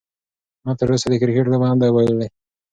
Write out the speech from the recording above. ما تر اوسه د کرکټ لوبه نه ده بایللې.